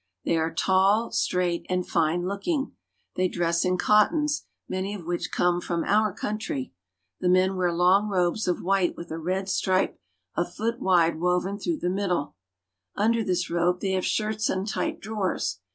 They are tall, straight, and fine looking. They dress in cottons, many of which come from our country. The men wear long robes of white with a red stripe a foot wide woven through the middle. Under this robe they have shirts and tight drawers.